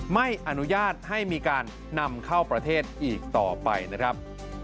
ไม่อนุญาตให้มีการนำเข้าประเทศอีกต่อไปนะครับ